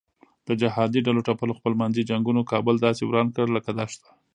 د جهادي ډلو ټپلو خپل منځي جنګونو کابل داسې وران کړ لکه دښته.